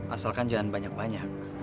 asalkan jangan banyak banyak